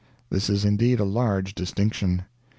This is indeed a large distinction.